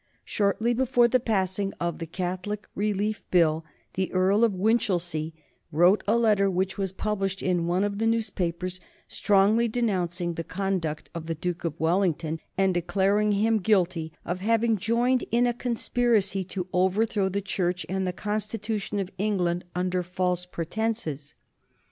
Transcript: Shortly before the passing of the Catholic Relief Bill, the Earl of Winchilsea wrote a letter which was published in one of the newspapers strongly denouncing the conduct of the Duke of Wellington, and declaring him guilty of having joined in a conspiracy to overthrow the Church and the Constitution of England under false pretences.